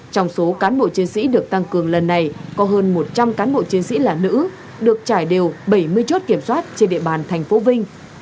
trong số cán bộ chiến sĩ được tăng cường lần này có hơn một trăm linh cán bộ chiến sĩ là nữ được trải đều bảy mươi chốt kiểm soát trên địa bàn thành phố vinh